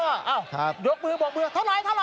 อ้าวยกมือบอกมือเท่าไหร่เท่าไหร่